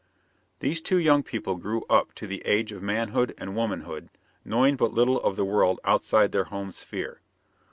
These two young people grew up to the age of manhood and womanhood, knowing but little of the world outside their home sphere.